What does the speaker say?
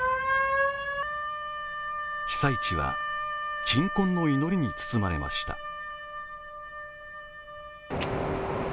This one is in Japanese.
被災地は鎮魂の祈りに包まれました。